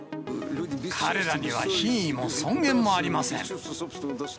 彼らには品位も尊厳もありません。